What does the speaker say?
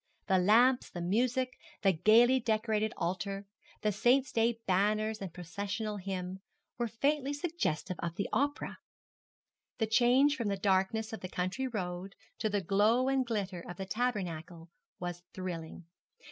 The lamps, the music, the gaily decorated altar, the Saint's day banners and processional hymn, were faintly suggestive of the opera. The change from the darkness of the country road to the glow and glitter of the tabernacle was thrilling.